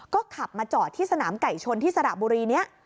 ก็ขับมาจอดที่สนามไก่ชนที่สระบุรีนี้